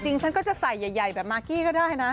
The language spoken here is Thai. ฉันก็จะใส่ใหญ่แบบมากกี้ก็ได้นะ